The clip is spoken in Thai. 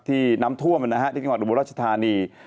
ที่น้ำทั่วมันนะครับที่คืออัตโบราชทานี